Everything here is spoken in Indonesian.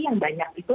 yang banyak itu